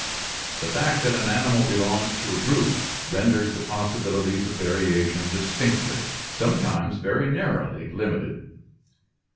The fact that an animal belongs to a group renders the possibilities of varia tion distinctly, sometimes very narrowly limited.